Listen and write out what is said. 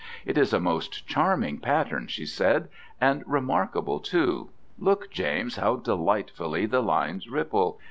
"It is a most charming pattern," she said, "and remarkable too. Look, James, how delightfully the lines ripple.